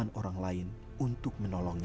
bejo terpaksa harus berusaha untuk mengembangnya